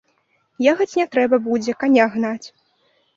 Ехаць не трэба будзе, каня гнаць.